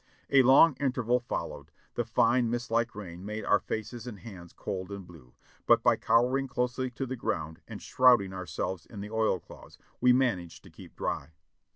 A long interval followed; the fine, mist like rain made our faces and hands cold and blue, but by cowering closely to the ground and shrouding ourselves in the oilcloths, we managed to keep dry.